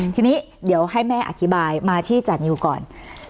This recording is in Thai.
ทีนี้เดี๋ยวให้แม่อธิบายมาที่จานิวก่อน